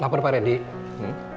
lapor pak rendy